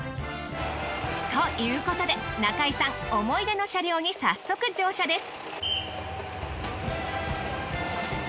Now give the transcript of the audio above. ということで中井さん思い出の車両に早速乗車です。